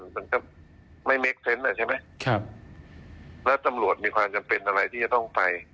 แล้วตำรวจมีความจำเป็นอะไรที่มันทำต้องไป